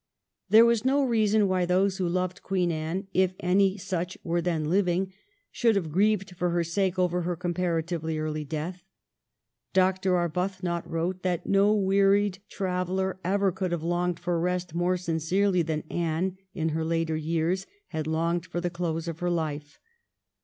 There was no reason why those who loved Queen Anne, if any such were then living, should have grieved for her sake over her comparatively early death. Dr. Arbuthnot wrote that no wearied traveller ever could have longed for rest more sin cerely than Anne, in her later years, had longed for the close of her life.